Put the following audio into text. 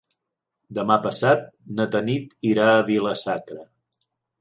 Demà passat na Tanit irà a Vila-sacra.